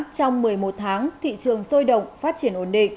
trong một mươi một tháng thị trường sôi động phát triển ổn định